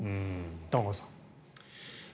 玉川さん。